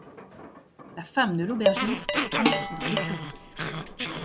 La femme de l’aubergiste entre dans l’écurie.